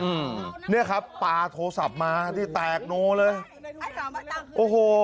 อืมเนี้ยครับป่าโทรศัพท์มาที่แตกโนเลยไอ้สามมาต่างคือโอ้โห